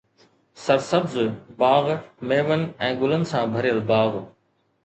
سرسبز باغ، ميون ۽ گلن سان ڀريل باغ